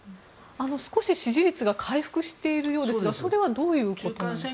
少し支持率が回復しているようですがそれはどういうことなんですか。